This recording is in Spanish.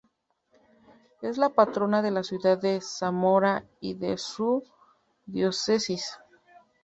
Es la patrona de la ciudad de Zamora y de su diócesis.